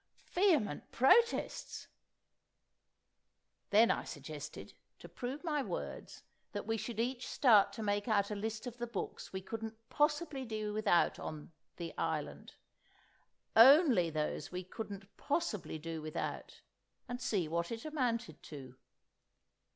Vehement protests! Then I suggested, to prove my words, that we should each start to make out a list of the books we couldn't possibly do without on The Island—only those we couldn't possibly do without—and see what it amounted to.